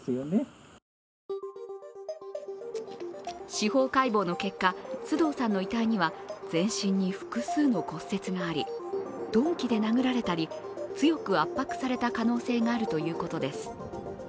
司法解剖の結果、須藤さんの遺体には全身に複数の骨折があり、鈍器で殴られたり、強く圧迫された可能性があるということです。